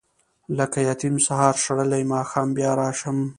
لکه یتیم سهار شړلی ماښام بیا راشم.